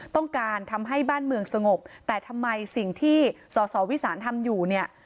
ต้องการทำให้บ้านเมืองสงบแต่ทำไมสิ่งที่สสวิสานทำอยู่เนี่ย